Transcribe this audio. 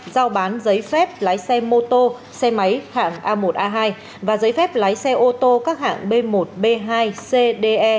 giao bán giấy phép lái xe mô tô xe máy hạng a một a hai và giấy phép lái xe ô tô các hạng b một b hai cde